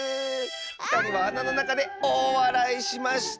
ふたりはあなのなかでおおわらいしました」。